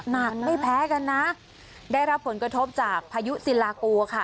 หนักไม่แพ้กันนะได้รับผลกระทบจากพายุศิลากูค่ะ